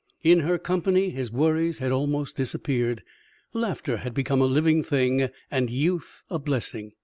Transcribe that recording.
In her company his worries had almost disappeared, laughter had become a living thing, and youth a blessing.